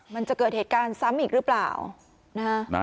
มันจะเกิดเหตุการณ์ซ้ำอีกหรือเปล่านะฮะ